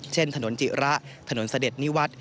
ถนนจิระถนนเสด็จนิวัฒน์